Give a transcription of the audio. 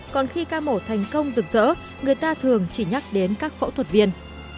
còn khi ca mổ thành công rực rỡ người ta thường chỉ nhắc đến các phẫu thuật viên